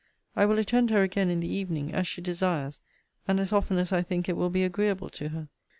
I will attend her again in the evening, as she desires, and as often as I think it will be agreeable to her.'